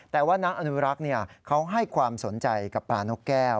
แต่ว่านักอนุรักษ์เขาให้ความสนใจกับปลานกแก้ว